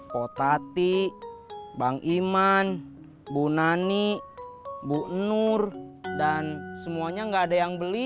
poh tati bang iman bu nani bu nur dan semuanya nggak ada yang beli